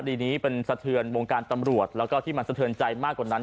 ดีนี้เป็นสะเทือนวงการตำรวจแล้วก็ที่มันสะเทือนใจมากกว่านั้น